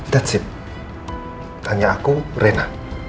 that's it hanya aku rena